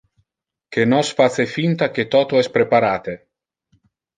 Que nos face finta que toto es preparate.